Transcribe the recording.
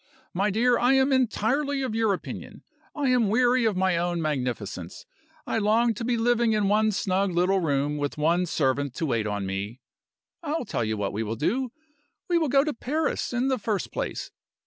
My dear! I am entirely of your opinion I am weary of my own magnificence; I long to be living in one snug little room, with one servant to wait on me. I'll tell you what we will do. We will go to Paris, in the first place.